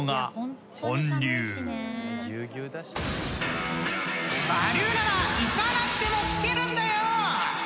［我流なら行かなくても聞けるんだよ！］